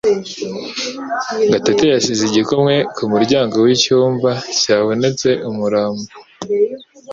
Gatete yasize igikumwe ku muryango wicyumba cyabonetse umurambo